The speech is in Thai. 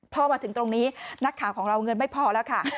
พอมาถึงตรงนี้นักข่าวของเราเงินไม่พอแล้วค่ะ